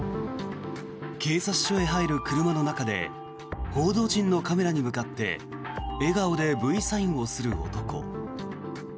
警察署へ入る車の中で報道陣のカメラに向かって笑顔でＶサインをする男。